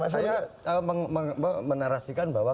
saya menarasikan bahwa